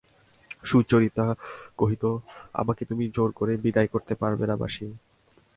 সুচরিতা কহিত, আমাকে তুমি জোর করে বিদায় করতে পারবে না মাসি!